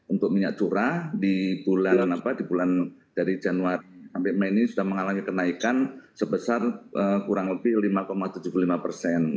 untuk minyak curah di bulan dari januari sampai mei ini sudah mengalami kenaikan sebesar kurang lebih lima tujuh puluh lima persen